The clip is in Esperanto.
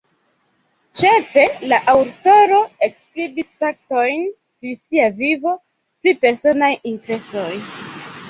Ĉefe, la aŭtoro enskribis faktojn pri sia vivo, pri personaj impresoj.